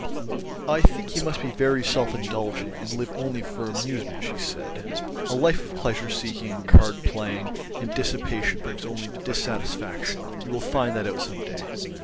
"I think you must be very self indulgent and live only for amusement," she said, "a life of pleasure seeking and card playing and dissipation brings only dissatisfaction. You will find that out some day."